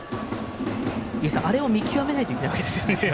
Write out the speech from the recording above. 井口さん、あれを見極めないといけないわけですね。